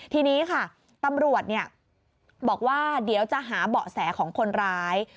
ทีนี้ค่ะตำรวจบอกว่าเดี๋ยวจะหาเบาะแสของคนร้าย